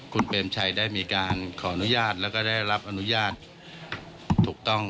คุณเปรมชัยได้มีการขออนุญาตแล้วก็ได้รับอนุญาตถูกต้อง